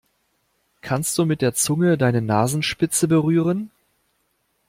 Kannst du mit der Zunge deine Nasenspitze berühren?